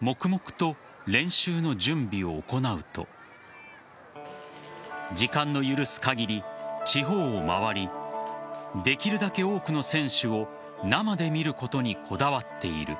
黙々と練習の準備を行うと時間の許す限り、地方を回りできるだけ多くの選手を生で見ることにこだわっている。